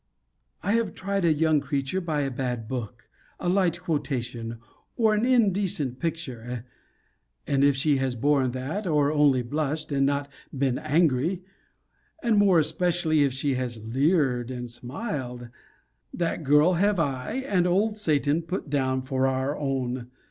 I have tried a young creature by a bad book, a light quotation, or an indecent picture; and if she has borne that, or only blushed, and not been angry; and more especially if she has leered and smiled; that girl have I, and old Satan, put down for our own.